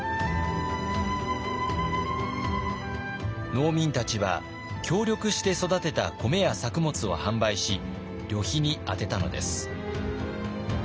農民たちは協力して育てた米や作物を販売し旅費に充てたのです。